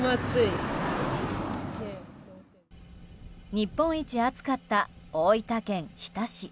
日本一暑かった大分県日田市。